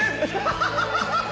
ハハハハハ！